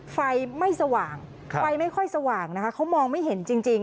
ไฟไม่สว่างไฟไม่ค่อยสว่างนะคะเขามองไม่เห็นจริง